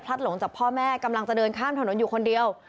หลงจากพ่อแม่กำลังจะเดินข้ามถนนอยู่คนเดียว